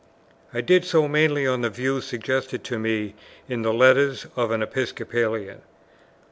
I did so mainly on the views suggested to me in the Letters of an Episcopalian.